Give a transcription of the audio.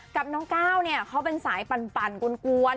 กับน้องก้าวเนี่ยเขาเป็นสายปั่นกวน